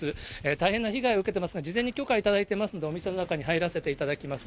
大変な被害を受けてますが、事前に許可いただいてますんで、お店の中に入らせていただきます。